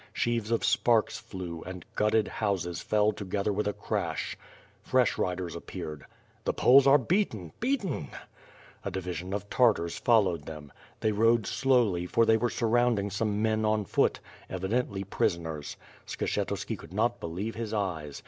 Sheaves of sparks flew, and gutted houses fell together with a crash. Fresh riders appeared. The Poles are beaten! Beaten! A division of Tartars followed them. They rode slowly, for they were surrounding some men on foot; evidently pris oners. Skshetuski could not believe his eyes.